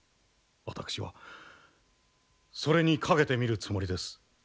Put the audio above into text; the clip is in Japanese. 私はそれに賭けてみるつもりです。